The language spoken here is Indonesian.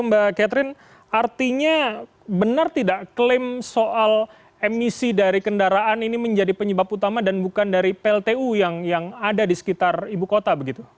mbak catherine artinya benar tidak klaim soal emisi dari kendaraan ini menjadi penyebab utama dan bukan dari pltu yang ada di sekitar ibu kota begitu